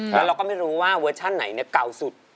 แล้วเราก็ไม่รู้ว่าเวอร์ชั่นไหนเก่าสุด